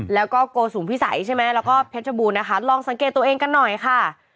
แล้วก็โกสุมพิสัยใช่ไหมแล้วก็เพชรบูรณนะคะลองสังเกตตัวเองกันหน่อยค่ะ